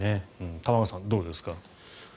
玉川さん、どうですか？